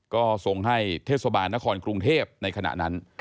ก็ส่งให้เทศบาลนครกรุงเทพในขณะนั้น